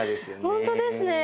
本当ですね！